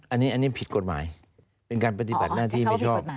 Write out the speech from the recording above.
อันนี้ผิดกฎหมายเป็นการปฏิบัติหน้าที่ไม่ชอบ